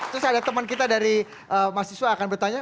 terus ada teman kita dari mahasiswa akan bertanya